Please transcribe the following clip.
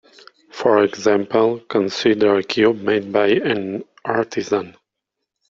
For example, consider a cube made by an artisan.